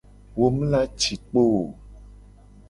Wo mu la ci kpo o.